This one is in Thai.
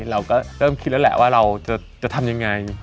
เราก็เริ่มคิดแล้วแหละว่าเราจะทำยังไง